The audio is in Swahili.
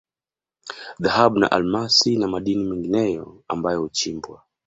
Dhahabu na Almasi na madini mengineyo ambayo huchimbwa